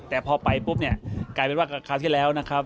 แต่พอไปปุ๊บเนี่ยกลายเป็นว่าคราวที่แล้วนะครับ